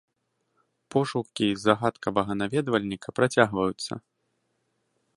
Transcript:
Пошукі загадкавага наведвальніка працягваюцца.